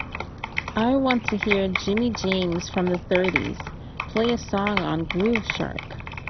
I want to hear Jimmy James from the thirties, play a song on Groove Shark.